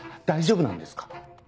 大丈夫なんですか？